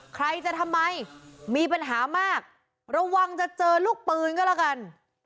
ใครจะทำไมมีปัญหามากระวังจะเจอลูกปืนก็แล้วกัน